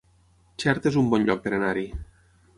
Xerta es un bon lloc per anar-hi